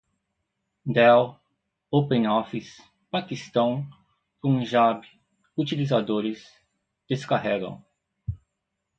dell, openoffice, paquistão, punjab, utilizadores, descarregam